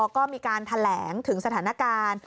ก็มีการแถลงถึงสถานการณ์